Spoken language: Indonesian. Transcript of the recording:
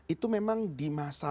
itu memang di masa